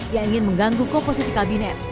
yang ingin mengganggu komposisi kabinet